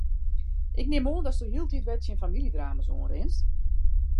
Ik nim oan datst hieltyd wer tsjin famyljedrama's oanrinst?